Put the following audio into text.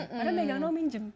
karena megang nol minjem